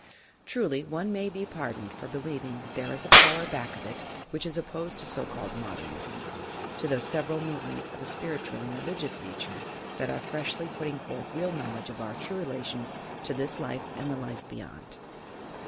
Truly, one may be pardoned for believing that there is a power back of it which is opposed to so called "Modernisms" — to the several movements of a spiritual and religious nature that are freshly putting forth real knowledge of our true relations to this life and the life beyond.